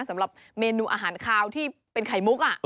สำหรับเมนูอาหารคาวที่เป็นไข่มุก